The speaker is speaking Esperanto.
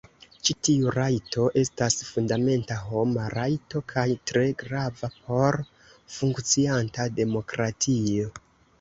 Ĉi tiu rajto estas fundamenta homa rajto kaj tre grava por funkcianta demokratio.